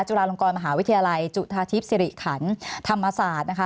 จุฬาลงกรมหาวิทยาลัยจุธาทิพย์สิริขันธรรมศาสตร์นะคะ